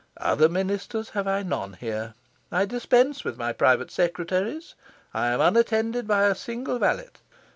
Other ministers have I none here. I dispense with my private secretaries. I am unattended by a single valet.